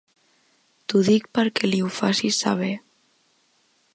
T'ho dic perquè li ho facis saber.